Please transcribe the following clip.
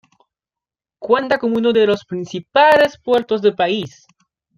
Cuenta con uno de los principales puertos del país.